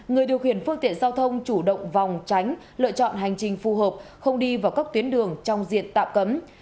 người điều khiển phương tiện giao thông chủ động phòng tránh lựa chọn hành trình phù hợp không đi vào các tuyến đường trong diện tạm cấm